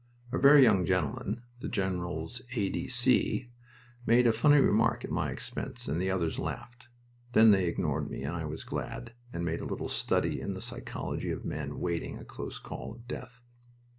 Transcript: A very young gentleman the general's A. D. C. made a funny remark at my expense and the others laughed. Then they ignored me, and I was glad, and made a little study in the psychology of men awaiting a close call of death.